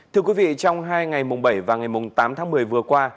thưa quý vị trong hai ngày mùng bảy và ngày tám tháng một mươi vừa qua